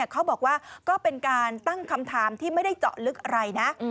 เขาบอกว่าก็เป็นการตั้งคำถามที่ไม่ได้เจาะลึกอะไรนะ